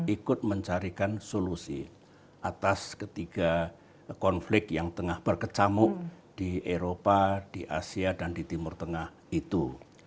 ikut mencarikan solusi atas ketiga konflik yang tengah berkecamuk di eropa di asia dan di timur tengah itu